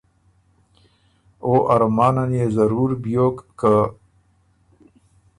او ارمانن يې ضرور بیوک که